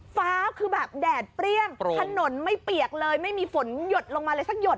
ฟ้าคือแบบแดดเปรี้ยงถนนไม่เปียกเลยไม่มีฝนหยดลงมาเลยสักหยด